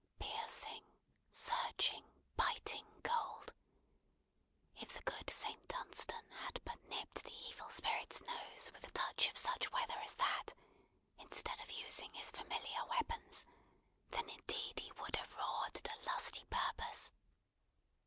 Piercing, searching, biting cold. If the good Saint Dunstan had but nipped the Evil Spirit's nose with a touch of such weather as that, instead of using his familiar weapons, then indeed he would have roared to lusty purpose.